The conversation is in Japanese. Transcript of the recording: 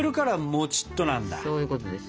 そういうことです。